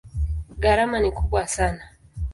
Gharama ni kubwa sana.